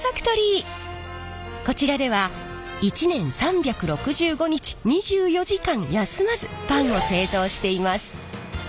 こちらでは１年３６５日２４時間休まずパンを製造しています。